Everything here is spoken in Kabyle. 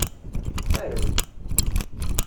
Arem!